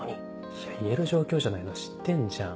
いや言える状況じゃないの知ってんじゃん。